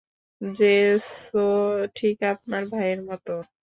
জেসও ঠিক আপনার ভাইয়ের মতো।